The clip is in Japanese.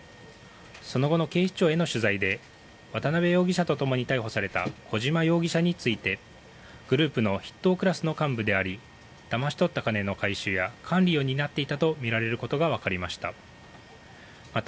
その後の警視庁への取材で渡邉容疑者とともに逮捕された小島容疑者についてグループの筆頭クラスの幹部でありだまし取った金の回収や管理を担っていたとみられることがわかりました。